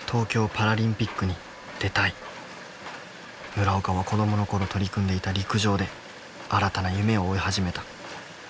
村岡は子どもの頃取り組んでいた陸上で新たな夢を追い始めた。